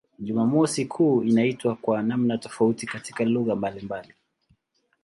Jumamosi kuu inaitwa kwa namna tofauti katika lugha mbalimbali.